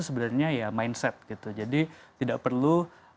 sebenarnya ya mindset gitu jadi tidak perlu